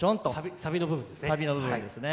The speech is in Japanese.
サビの部分ですね。